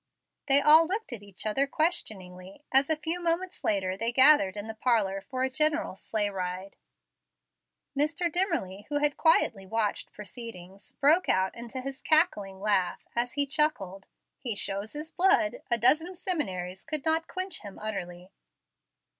They all looked at each other questioningly, as a few moments later they gathered in the parlor for a general sleighride. Mr. Dimmerly, who had quietly watched proceedings, broke out into his cackling laugh, as he chuckled, "He shows his blood. A dozen seminaries could not quench him utterly."